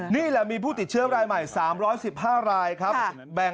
นี่แหละมีผู้ติดเชื้อรายใหม่๓๑๕รายครับ